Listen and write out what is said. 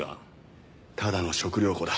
ただの食料庫だ。